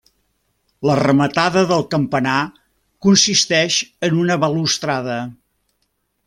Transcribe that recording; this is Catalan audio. La rematada del campanar consisteix en una balustrada.